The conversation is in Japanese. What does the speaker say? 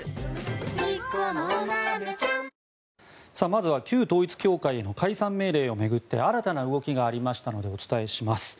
まずは旧統一教会の解散命令を巡って新たな動きがありましたのでお伝えします。